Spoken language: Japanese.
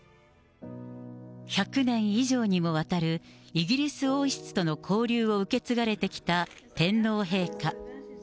１００年以上にもわたるイギリス王室との交流を受け継がれてきた天皇陛下。